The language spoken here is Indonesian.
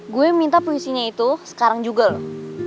gue minta puisinya itu sekarang juga loh